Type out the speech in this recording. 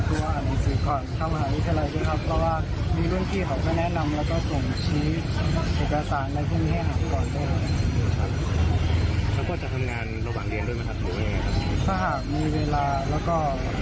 เอาเวลาบ้างก็